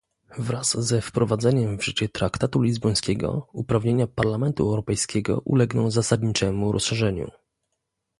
Wraz ze wprowadzeniem w życie traktatu lizbońskiego uprawnienia Parlamentu Europejskiego ulegną zasadniczemu rozszerzeniu